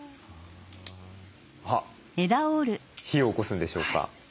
あっ火をおこすんでしょうか？